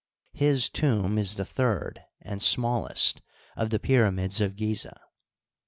His tomb is the third and smallest of the pyramids of Gizeh.